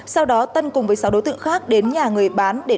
sau đó tân cùng với sáu đối tượng khác đến nhà người bán